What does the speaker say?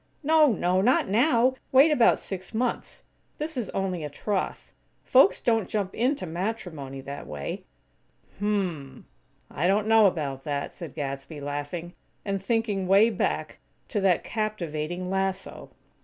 "No, no! Not now! Wait about six months. This is only a troth. Folks don't jump into matrimony, that way." "Hm m m! I don't know about that," said Gadsby, laughing; and thinking way back to that captivating lasso!